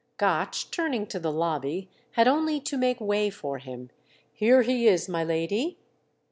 Gotch, turning to the lobby, had only to make way for him. "Here he is, my lady."